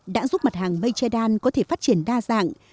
đã giúp mật hàng mây chế đan có thể phát triển đa dạng